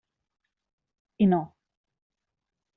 I no.